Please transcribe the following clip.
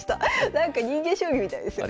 なんか人間将棋みたいですよね。